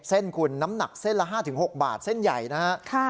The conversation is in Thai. เส้นคุณน้ำหนักเส้นละห้าถึงหกบาทเส้นใหญ่นะฮะค่ะ